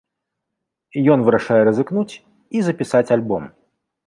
Ён вырашае рызыкнуць і запісаць альбом.